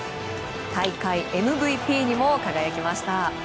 大会ＭＶＰにも輝きました。